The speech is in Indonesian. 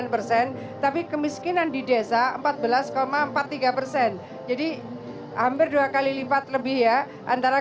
sembilan puluh persen tapi kemiskinan di desa empat belas empat puluh tiga persen jadi hampir dua kali lipat lebih ya antara